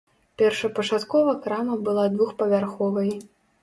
Першапачаткова крама была двухпавярховай.